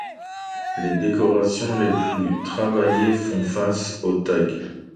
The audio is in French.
Les décorations les plus travaillées font face au Tage.